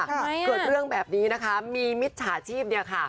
เกิดเรื่องแบบนี้นะคะมีมิจฉาชีพเนี่ยค่ะ